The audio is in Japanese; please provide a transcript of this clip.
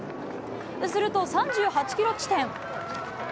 すると、３８キロ地点。